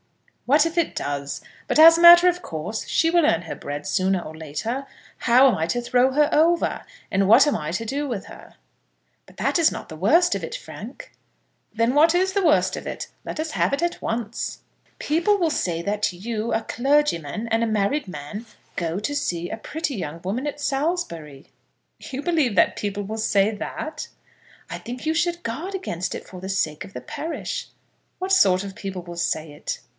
"What if it does? But, as a matter of course, she will earn her bread sooner or later. How am I to throw her over? And what am I to do with her?" "But that is not the worst of it, Frank." "Then what is the worst of it? Let us have it at once." "People will say that you, a clergyman and a married man, go to see a pretty young woman at Salisbury." "You believe that people will say that?" "I think you should guard against it, for the sake of the parish." "What sort of people will say it?"